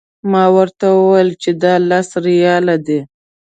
ما ورته وویل چې دا لس ریاله دي.